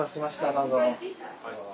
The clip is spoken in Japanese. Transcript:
どうぞ。